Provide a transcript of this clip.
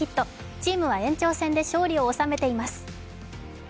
チームは延長戦で勝利を収めています。